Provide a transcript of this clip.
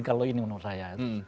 kalau ini menurut saya